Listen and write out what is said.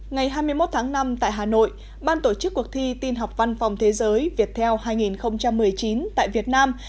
ngày hai mươi một tháng năm tại hà nội ban tổ chức cuộc thi tin học văn phòng thế giới viettel hai nghìn một mươi chín tại việt nam